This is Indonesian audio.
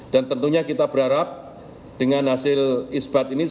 dan tentunya kita berharap dengan hasil isbat ini